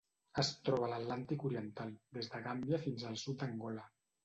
Es troba a l'Atlàntic oriental: des de Gàmbia fins al sud d'Angola.